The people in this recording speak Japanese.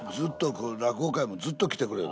落語会もずっと来てくれる。